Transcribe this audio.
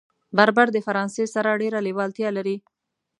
بربر له فرانسې سره ډېره لېوالتیا لري.